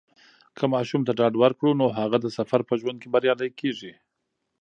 که ماشوم ته ډاډ ورکړو، نو هغه د ژوند په سفر کې بریالی کیږي.